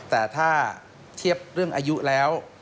แต่ถ้าเทียบเรื่องอายุแล้ว